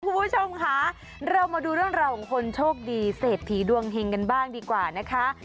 คุณผู้ชมค่ะเรามาดูเรื่องราวของคนโชคดีเศรษฐีดวงเฮงกันบ้างดีกว่านะคะ